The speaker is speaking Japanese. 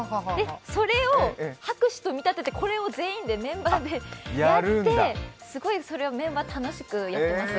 それを拍手と見立ててこれを全員でメンバーでやって、すごいそれをメンバー、楽しくやってます。